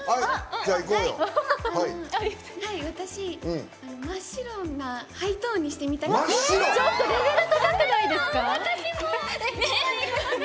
私、真っ白なハイトーンにしてみたくて。